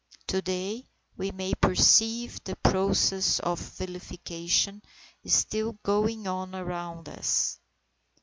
To day we may perceive the process of vilification still going on around us.